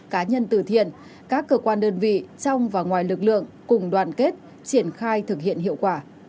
cá nhân từ thiện các cơ quan đơn vị trong và ngoài lực lượng cùng đoàn kết triển khai thực hiện hiệu quả